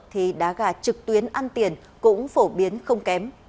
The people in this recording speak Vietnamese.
thì đá gà trực tuyến ăn tiền cũng phổ biến không kém